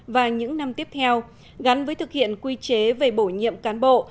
và những năm tiếp theo gắn với thực hiện quy chế về bổ nhiệm cán bộ